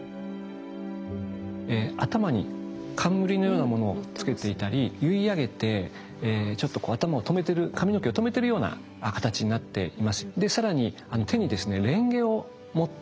頭に冠のようなものをつけていたり結い上げてちょっとこう頭を留めてる髪の毛を留めてるような形になっています。